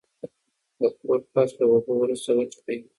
د کور فرش له اوبو وروسته وچ کړئ.